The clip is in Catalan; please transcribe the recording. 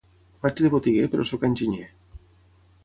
Faig de botiguer, però soc enginyer.